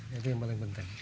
itu yang paling penting